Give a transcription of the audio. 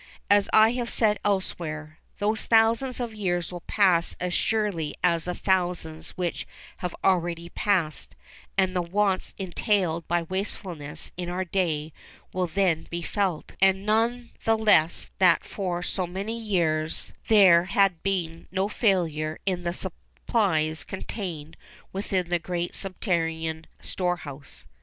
As I have said elsewhere, 'those thousands of years will pass as surely as the thousands which have already passed, and the wants entailed by wastefulness in our day will then be felt, and none the less that for so many years there had been no failure in the supplies contained within the great subterranean storehouse.